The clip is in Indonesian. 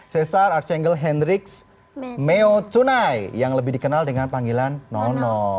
cesar archangle hendrix meo tunai yang lebih dikenal dengan panggilan nono